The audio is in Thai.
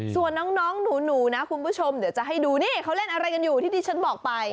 ส่วนน้องหนูนะคุณผู้ชมเดี๋ยวจะให้ดูนี่เขาเล่นอะไรกันอยู่ที่ที่ฉันบอกไป